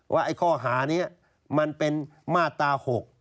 ไอ้ข้อหานี้มันเป็นมาตรา๖